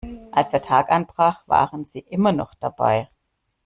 Als der Tag anbrach waren sie immer noch dabei.